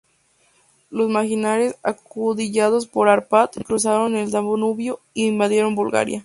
Los magiares, acaudillados por Árpád, cruzaron el Danubio e invadieron Bulgaria.